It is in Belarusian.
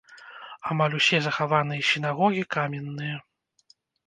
Амаль усе захаваныя сінагогі каменныя.